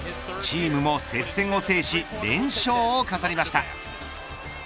チームも接戦を制し連勝を飾りました。